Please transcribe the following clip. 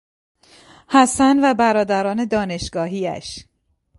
حسن و برادران دانشگاهیاش